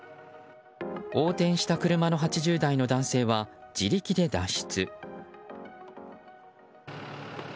横転した車の８０代の男性は自力で脱出。